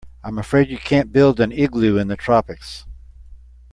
I'm afraid you can't build an igloo in the tropics.